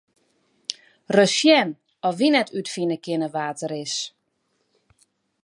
Ris sjen oft wy net útfine kinne wa't er is.